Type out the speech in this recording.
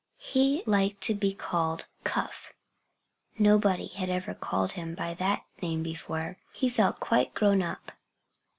He liked to be called "Cuff." Nobody had ever called him by that name before. He felt quite grown up.